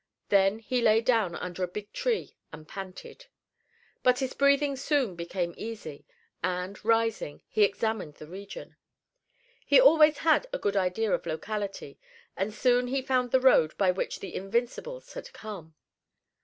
Then he lay down under a big tree and panted. But his breathing soon became easy, and, rising, he examined the region. He always had a good idea of locality, and soon he found the road by which the Invincibles had come.